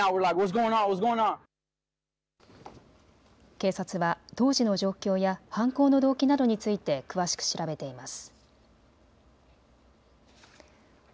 警察は当時の状況や犯行の動機などについて詳しく調べています。